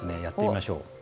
やってみましょう。